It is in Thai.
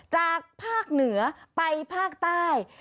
จากภาคเหนือไปภาคใต้